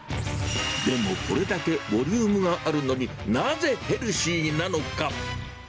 でもこれだけボリュームがあるのに、なぜヘルシーなのか。